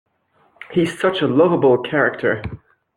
He's such a lovable character.